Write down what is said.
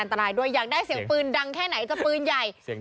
ตายด้วยอยากได้เสียงปืนดังแค่ไหนจะปืนใหญ่